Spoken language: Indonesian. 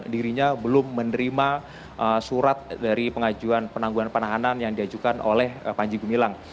dirinya belum menerima surat dari pengajuan penangguhan penahanan yang diajukan oleh panji gumilang